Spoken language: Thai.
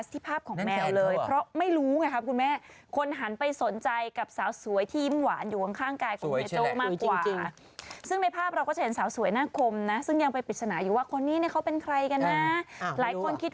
ถูกปิศาหนาอยู่ว่าคนนี้เนี่ยเขาเป็นใครกันน่าหลายคนคิด